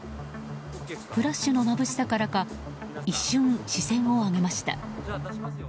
フラッシュのまぶしさからか一瞬、視線を上げました。